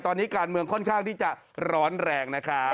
ตอนนี้การเมืองค่อนข้างที่จะร้อนแรงนะครับ